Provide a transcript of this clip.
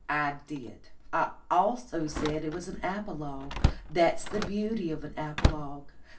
"I did. I also said it was an apologue. That's the beauty of an apologue.